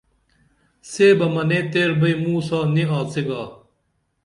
سے بہ منے تیر بئی موں سا نی آڅی گا